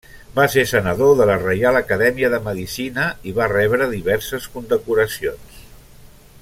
Va ser senador de la Reial Acadèmia de Medicina i va rebre diverses condecoracions.